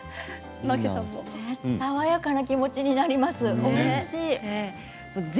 爽やかな気持ちになります。